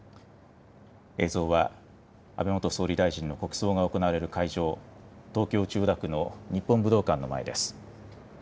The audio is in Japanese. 映像は安倍元総理大臣の国葬が行われる会場、東京・千代田区の日本武道館の前です。